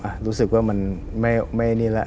อ่ะรู้สึกว่ามันไม่นี่ละ